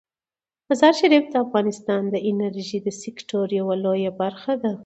مزارشریف د افغانستان د انرژۍ د سکتور یوه لویه برخه ده.